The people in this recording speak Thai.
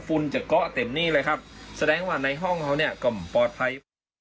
ุนจะเกาะเต็มนี่เลยครับแสดงว่าในห้องเขาเนี่ยก็ปลอดภัย